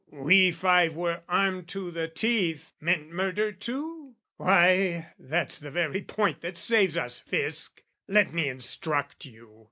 We five were armed to the teeth, meant murder too? Why, that's the very point that saves us, Fisc! Let me instruct you.